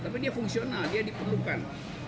tapi dia fungsional dia diperlukan